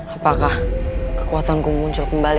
apakah kekuatanku muncul kembali